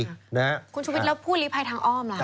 คุณชุวิตแล้วผู้ลิภัยทางอ้อมล่ะ